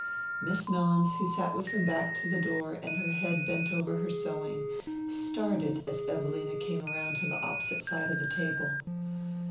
Miss Mellins, who sat with her back to the door and her head bent over her sewing, started as Evelina came around to the opposite side of the table.